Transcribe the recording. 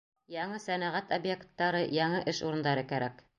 Яңы сәнәғәт объекттары, яңы эш урындары кәрәк.